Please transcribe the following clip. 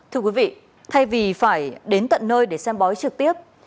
thưa quý vị thay vì phải đến tận nơi để xem bói trực tiếp